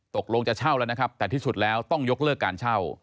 ตกลงจะเช่าแล้วนะครับแต่ที่สุดแล้วต้องยกเลิกการเช่า